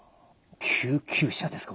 救急車ですか。